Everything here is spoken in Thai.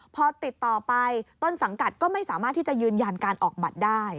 พอติดต่อไปต้นสังกัดก็ไม่สามารถที่จะยืนยันการออกบัตรได้